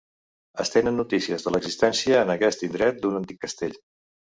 Es tenen notícies de l'existència en aquest indret d'un antic castell.